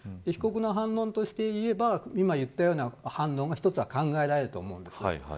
被告の反論として言えば今言ったような反論が一つ考えられると思います。